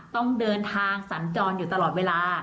ต้องเดินทางสัญจรอยู่ตลอดเวลา